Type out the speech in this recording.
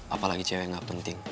apalagi cewek gak penting